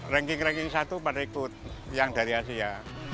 ranking ranking satu berikut yang dari asia